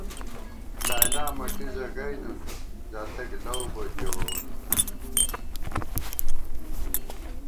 لیلی مٹیزہ گئ نُون، زاتک لؤ بوت ڈېوَوون